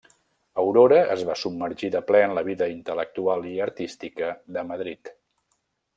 Aurora es va submergir de ple en la vida intel·lectual i artística de Madrid.